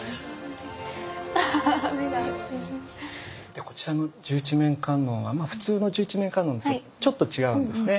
でこちらの十一面観音は普通の十一面観音とちょっと違うんですね。